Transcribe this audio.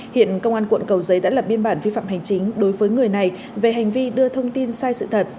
hiện công an quận cầu giấy đã lập biên bản vi phạm hành chính đối với người này về hành vi đưa thông tin sai sự thật